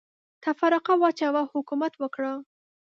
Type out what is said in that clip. تفرقه واچوه ، حکومت وکړه.